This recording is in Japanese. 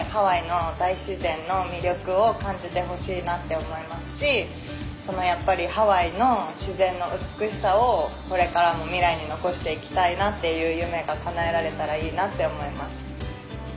このって思いますしやっぱりハワイの自然の美しさをこれからも未来に残していきたいなっていう夢がかなえられたらいいなって思います。